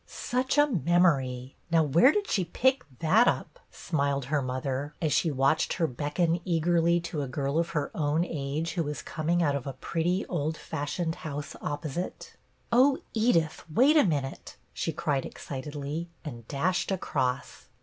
'" "Such a memory! Now where did she pick that up ?" smiled her mother, as she watched her beckon eagerly to a girl of her own age who was coming out of a pretty, old fashioned house opposite. " Oh, Edith, wait a minute," she cried excitedly, and dashed across.